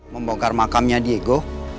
membongkar makamnya diego